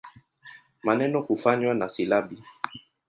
Maneno kufanywa na silabi.